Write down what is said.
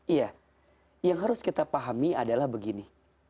iya yang harus kita pahami adalah begini